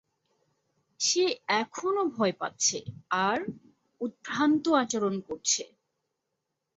সে এখনো ভয় পাচ্ছে আর উদভ্রান্ত আচরণ করছে।